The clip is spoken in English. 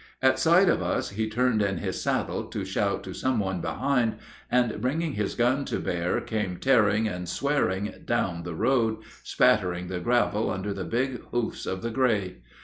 At sight of us he turned in his saddle to shout to some one behind, and bringing his gun to bear came tearing and swearing down the road, spattering the gravel under the big hoofs of the gray.